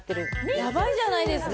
やばいじゃないですか。